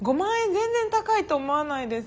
全然高いと思わないです。